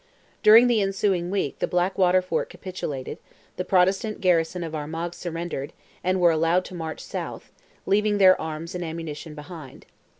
During the ensuing week the Blackwater fort capitulated; the Protestant garrison of Armagh surrendered; and were allowed to march south, leaving their arms and ammunition behind.